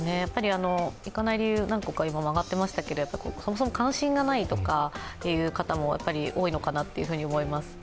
行かない理由、何個か挙がってましたけどそもそも関心がないという方も多いのかなと思います。